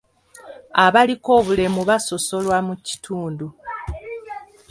Abaliko obulemu basosolwa mu kitundu.